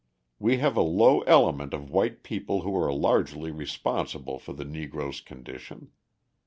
We have a low element of white people who are largely responsible for the Negro's condition.